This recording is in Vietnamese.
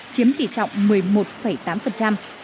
chiếm tỷ trọng một mươi một tám